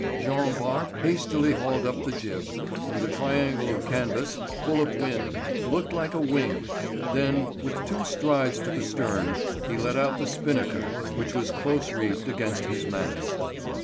Jean Bart hastily hauled up the jib, and the triangle of canvas, full of wind, looked like a wing; then, with two strides to the stern, he let out the spinnaker, which was close reefed against his mast.